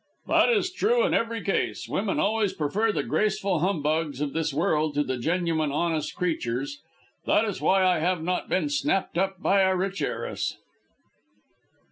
"That is true in every case. Women always prefer the graceful humbugs of this world to the genuine, honest creatures. That is why I have not been snapped up by a rich heiress."